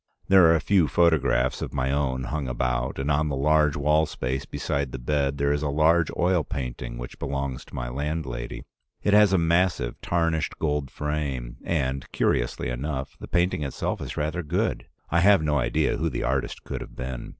There are a few photographs of my own hung about, and on the large wall space beside the bed there is a large oil painting which belongs to my landlady. It has a massive tarnished gold frame, and, curiously enough, the painting itself is rather good. I have no idea who the artist could have been.